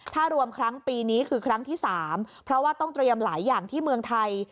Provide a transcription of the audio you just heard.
ถ้ารวมครั้งปีนี้คือครั้งที่๓เพราะว่าต้องเตรียมหลายอย่างที่เมืองไทย